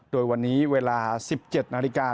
โดยวันนี้เวลา๑๗นาฬิกา